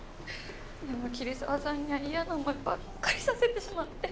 でも桐沢さんには嫌な思いばっかりさせてしまって。